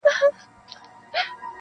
• او پر ځای د بلبلکو مرغکیو -